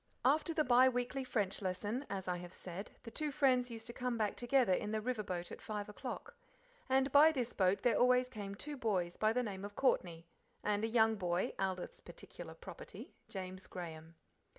After the bi weekly French lesson, as I have said, the two friends used to come back together in the river boat at five o'clock. And by this boat there always came two boys by the name of Courtney, and a third boy, Aldith's particular property, James Graham.